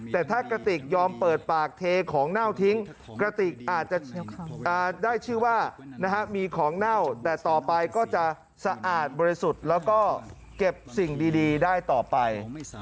แต่ถ้ากระติกยอมเปิดปากเทของเน่าทิ้งกระติกอาจจะได้ชื่อว่ามีของเน่าแต่ต่อไปก็จะสะอาดบริสุทธิ์แล้วก็เก็บสิ่งดีได้ต่อไป